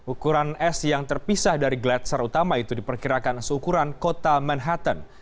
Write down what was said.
ukuran es yang terpisah dari gladser utama itu diperkirakan seukuran kota manhattan